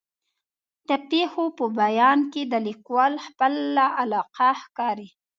د پېښو په بیان کې د لیکوال خپله علاقه ښکاري.